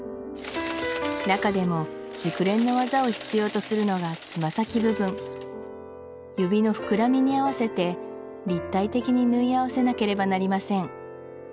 中でも熟練の技を必要とするのがつま先部分指の膨らみに合わせて立体的に縫い合わせなければなりません